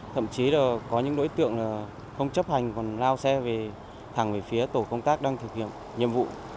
thậm chí là có những đối tượng không chấp hành còn lao xe về thẳng về phía tổ công tác đang thực hiện nhiệm vụ